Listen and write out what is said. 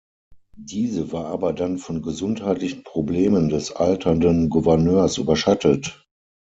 Diese war aber dann von gesundheitlichen Problemen des alternden Gouverneurs überschattet.